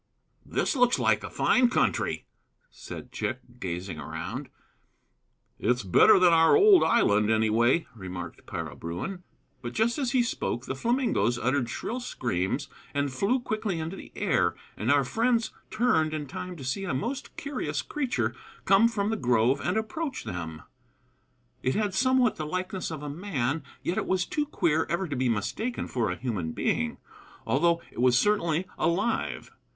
"This looks like a fine country," said Chick, gazing around. "It's better than our old island, anyway," remarked Para Bruin. But just as he spoke the flamingoes uttered shrill screams and flew quickly into the air, and our friends turned in time to see a most curious creature come from the grove and approach them. It had somewhat the likeness of a man, yet was too queer ever to be mistaken for a human being, although it was certainly alive.